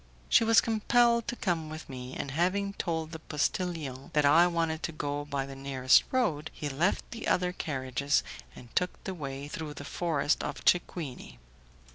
She was compelled to come with me, and having told the postillion that I wanted to go by the nearest road, he left the other carriages, and took the way through the forest of Cequini.